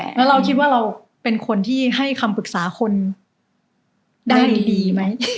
แล้วเราคิดว่าเราเป็นคนที่ให้คำปรึกษาคนได้ดีไหม